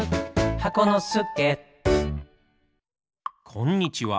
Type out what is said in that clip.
こんにちは